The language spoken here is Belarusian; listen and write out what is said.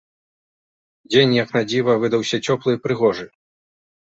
Дзень, як на дзіва, выдаўся цёплы і прыгожы.